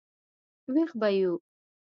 وېښ به یو.